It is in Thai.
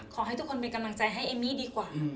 ขอให้ทุกคนเป็นกำลังใจให้เอมมี่ดีกว่า